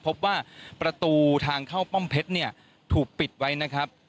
พบว่าประตูทางเข้าป้อมเพชรเนี่ยถูกปิดไว้นะครับ